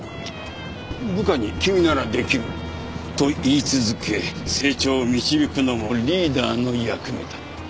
部下に「君ならできる」と言い続け成長を導くのもリーダーの役目だ。